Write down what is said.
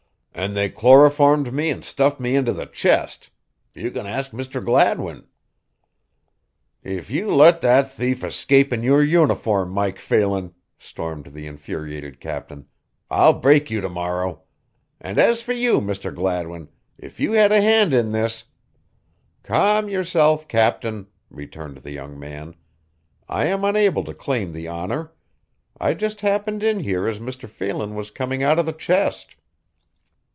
"An' they chloroformed me an' stuffed me into the chest. You can ask Mr. Gladwin." "If you let that thief escape in your uniform, Mike Phelan," stormed the infuriated captain, "I'll break you to morrow. And as for you, Mr. Gladwin, if you had a hand in this" "Calm yourself, captain," returned the young man, "I am unable to claim the honor. I just happened in here as Mr. Phelan was coming out of the chest."